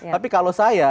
tapi kalau saya